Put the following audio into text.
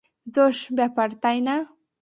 জোশ ব্যাপার, তাই না?